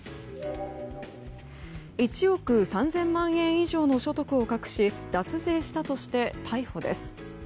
１億３０００万円以上の所得を隠し脱税したとして逮捕です。